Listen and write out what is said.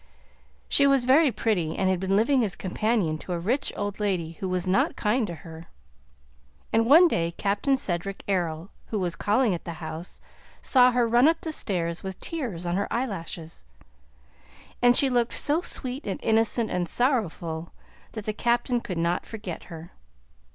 She was very pretty, and had been living as companion to a rich old lady who was not kind to her, and one day Captain Cedric Errol, who was calling at the house, saw her run up the stairs with tears on her eyelashes; and she looked so sweet and innocent and sorrowful that the Captain could not forget her.